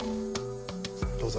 どうぞ。